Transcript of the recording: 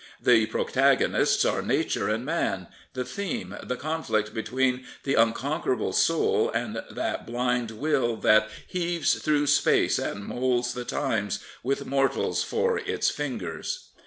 The protagonists are nature and man — the theme, the conflict between the unconquerable soul and that blind Will that ... heaves through space and moulds the times. With mortals for Its fingers.